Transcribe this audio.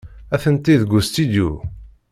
Atenti deg ustidyu.